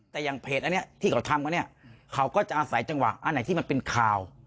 แต่อย่างเพจอันนี้ที่เขาทำกันเนี่ยเขาก็จะอาศัยจังหวะอันไหนที่มันเป็นข่าว